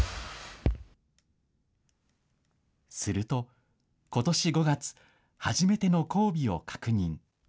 すると、ことし５月、初めての交尾を確認。